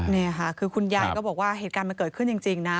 นี่ค่ะคือคุณยายก็บอกว่าเหตุการณ์มันเกิดขึ้นจริงนะ